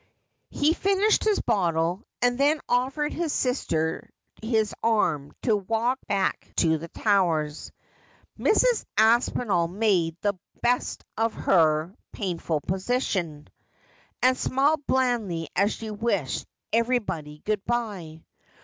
He finished his bottle, and then offered his sister his arm to walk back to the Towers. Mrs. Aspinall made the best of her painful position, and smiled blandly as she wished everybody good bye.